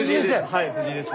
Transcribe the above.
はい藤井です。